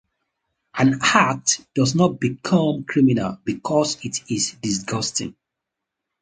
An act does not become criminal because it is disgusting.